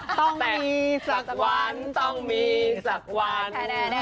ต้องมีสักวันต้องมีสักวัน